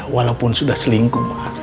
walaupun sudah selingkuh